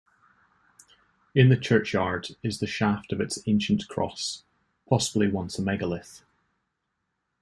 In the churchyard is the shaft of its ancient cross, possibly once a megalith.